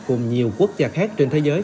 cùng nhiều quốc gia khác trên thế giới